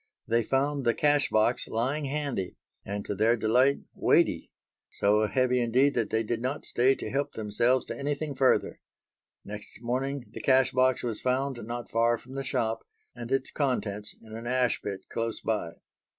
They found the cash box lying handy, and, to their delight, weighty; so heavy indeed that they did not stay to help themselves to anything further. Next morning the cash box was found not far from the shop and its contents in an ash pit close by.